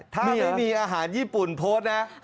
ถ้าไม่มีอาหารญี่ปุ่นโพสต์นะ